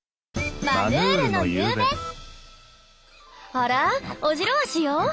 あらオジロワシよ。